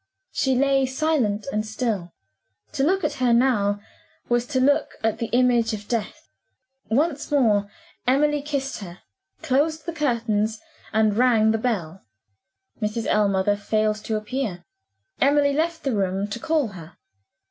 She lay silent and still. To look at her now was to look at the image of death. Once more, Emily kissed her closed the curtains and rang the bell. Mrs. Ellmother failed to appear. Emily left the room to call her.